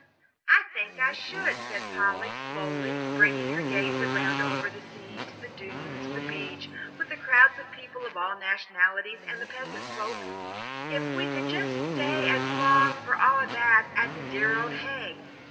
"I think I should," said Polly, slowly, bringing her gaze around over the sea, to the Dunes, the beach, with the crowds of people of all nationalities, and the peasant folk, "if we could stay just as long, for all that, at the dear old Hague."